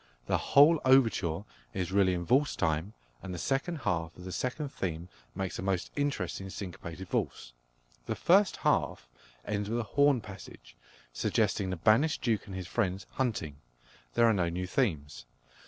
The whole overture is really in valse time, and the second half of the second theme makes a most interesting syncopated valse. The first half ends with a horn passage, suggesting the banished Duke and his friends hunting. There are no new themes.